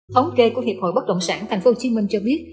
thống kê của hiệp hội bất động sản tp hcm cho biết